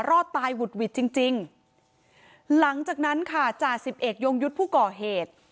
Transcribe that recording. รอดตายหุดหวิดจริงจริงหลังจากนั้นค่ะจ่าสิบเอกยงยุทธ์ผู้ก่อเหตุ